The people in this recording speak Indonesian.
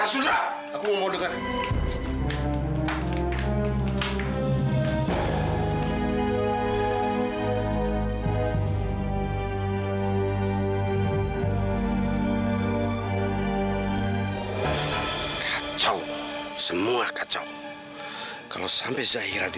sudah aku mau mendekat